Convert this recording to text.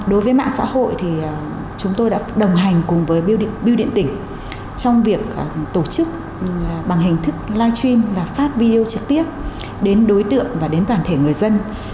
đối với mạng xã hội thì chúng tôi đã đồng hành cùng với biêu điện tỉnh trong việc tổ chức bằng hình thức live stream và phát video trực tiếp đến đối tượng và đến toàn thể người dân